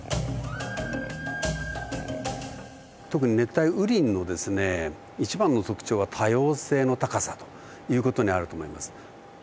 特に熱帯雨林のですね一番の特徴は多様性の高さという事にあると思います。